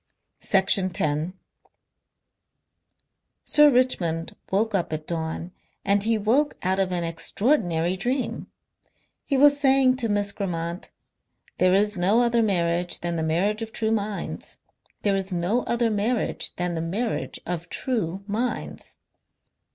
Section 10 Sir Richmond woke up at dawn and he woke out of an extraordinary dream. He was saying to Miss Grammont: "There is no other marriage than the marriage of true minds. There is no other marriage than the marriage of true minds."